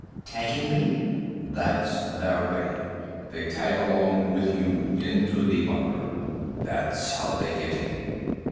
"Tagging me?" "That's their way. They tag along with you. Into the bunker. That's how they get in."